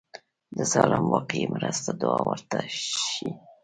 د ظالم واقعي مرسته دعا ورته وشي.